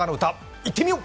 いってみよう。